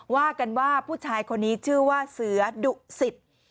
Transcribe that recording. ว่ากันว่าผู้ชายคนนี้ชื่อว่าเสือดุสิต